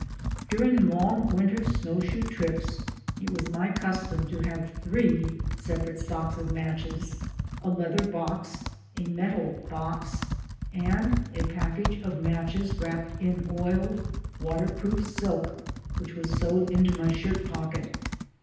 During long winter snowshoe trips it was my custom to have three separate stocks of matches: a leather box, a metal box, and a package of matches wrapped in oiled, waterproof silk which was sewed into my shirt pocket.